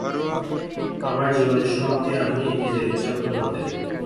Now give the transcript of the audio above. আমার জীবনের সমাপ্তি আমি নিজের ইচ্ছামত করতে চাই।